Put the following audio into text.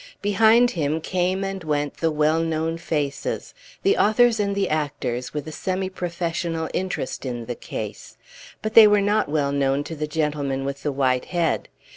Behind him came and went the well known faces, the authors and the actors with a semi professional interest in the case; but they were not well known to the gentleman with the white head.